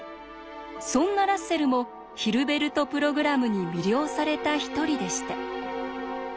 そんなラッセルもヒルベルト・プログラムに魅了された一人でした。